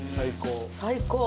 最高。